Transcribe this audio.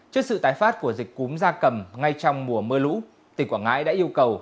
trước sự tái phát của dịch cúm da cầm ngay trong mùa mưa lũ tỉnh quảng ngãi đã yêu cầu